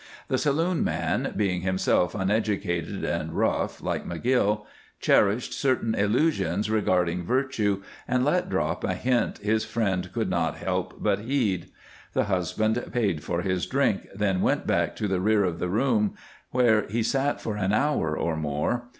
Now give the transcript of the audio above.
The saloon man, being himself uneducated and rough, like McGill, cherished certain illusions regarding virtue, and let drop a hint his friend could not help but heed. The husband paid for his drink, then went back to the rear of the room, where he sat for an hour or more.